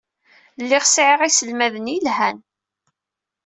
Lliɣ sɛiɣ iselmaden yelhan.